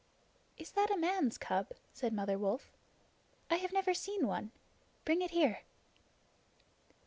"Is that a man's cub?" said Mother Wolf. "I have never seen one. Bring it here."